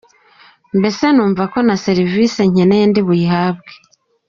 Mbese numva ko na serivisi nkeneye ndi buyihabwe.